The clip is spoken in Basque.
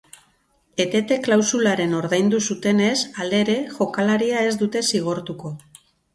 Etete klausularen ordaindu zutenez, halere, jokalaria ez dute zigortuko.